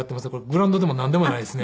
グラウンドでもなんでもないですね。